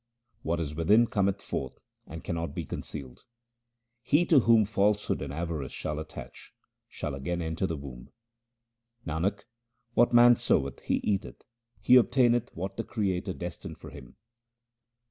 What is within cometh forth and cannot be concealed. He to whom falsehood and avarice attach, shall again enter the womb. Nanak, what man soweth he eateth : he obtaineth what the Creator destined for him.